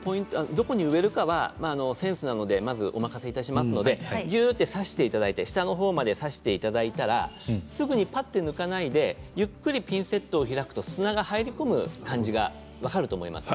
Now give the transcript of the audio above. どこに植えるかはセンスなのでお任せいたしますのでぎゅっと挿していただいて下まで挿していただいたらすぐに抜かないでゆっくりピンセットを開くと砂が入り込む感じが分かると思います。